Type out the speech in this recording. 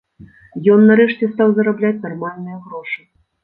Ён нарэшце стаў зарабляць нармальныя грошы.